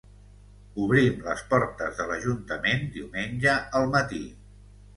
obrim les portes de l'Ajuntament diumenge al matí